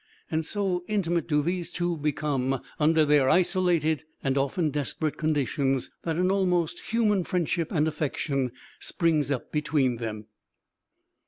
And so intimate do these two become under their isolated, and often desperate conditions, that an almost human friendship and affection springs up between them.